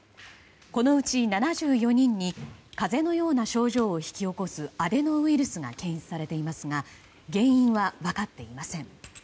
このうち７４人に風邪のような症状を引き起こすアデノウイルスが検出されていますが原因は分かっていません。